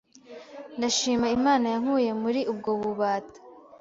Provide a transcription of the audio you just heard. Ndashima Imana yankuye muri ubwo bubata